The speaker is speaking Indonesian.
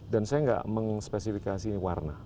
dan saya tidak mengespesifikasi warna